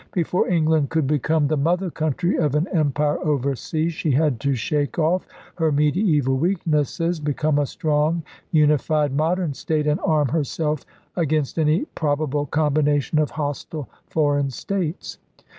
Before England could become the mother country of an empire overseas, she had to shake off her mediaeval weaknesses, be come a strongly unified modern state, and arm herself against any probable combination of hos tile foreign states.